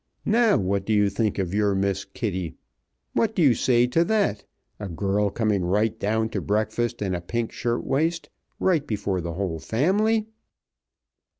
Now what do you think of your Miss Kitty? What do you say to that a girl coming right down to breakfast in a pink shirt waist, right before the whole family?"